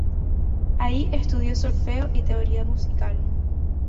Ahí estudió solfeo y teoría musical.